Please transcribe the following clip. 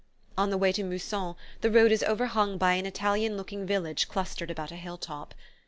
On the way to Mousson the road is overhung by an Italian looking village clustered about a hill top.